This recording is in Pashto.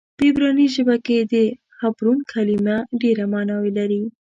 په عبراني ژبه کې د حبرون کلمه ډېرې معناوې لري.